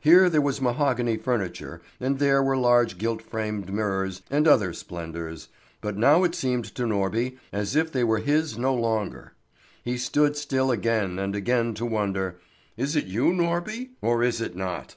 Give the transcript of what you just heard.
Here there was mahogany furniture and there were large gilt framed mirrors and other splendours, but now it seemed to Norby as if they were his no longer. He stood still again and again to wonder: "Is it you, Norby, or is it not?"